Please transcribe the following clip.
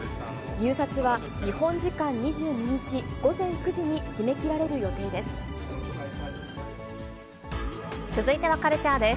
入札は日本時間２２日午前９時に締め切られる予定です。